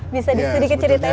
bisa disedikit ceritain pak